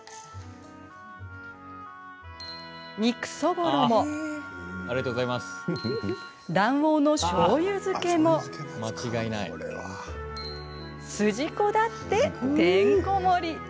肉そぼろも卵黄のしょうゆ漬けも筋子だって、てんこ盛り。